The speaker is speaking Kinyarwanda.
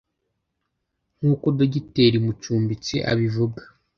nkuko Dogiteri Mucumbitsi abivuga